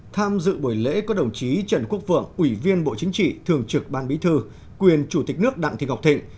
tham dự buổi lễ có đồng chí trần quốc vượng ủy viên bộ chính trị thường trực ban bí thư quyền chủ tịch nước đặng thị ngọc thịnh